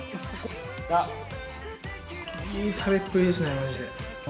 いい食べっぷりですね。